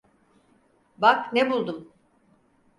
Bak, ne buldum.